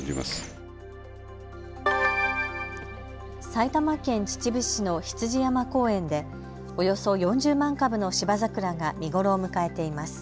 埼玉県秩父市の羊山公園でおよそ４０万株のシバザクラが見頃を迎えています。